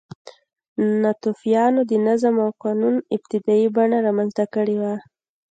ناتوفیانو د نظم او قانون ابتدايي بڼه رامنځته کړې وه.